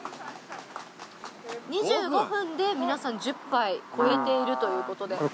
２５分で皆さん１０杯超えているということで。